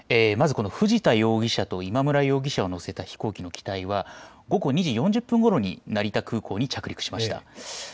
まず藤田容疑者と今村容疑者を乗せた飛行機の機体は午後２時４０分ごろに成田空港に着陸しました。